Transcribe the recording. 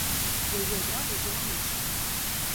Яе адразу за манішку.